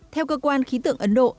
theo cơ quan khí tượng ấn độ